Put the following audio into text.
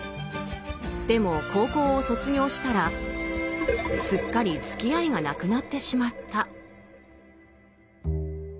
でも高校を卒業したらすっかりつきあいがなくなってしまった。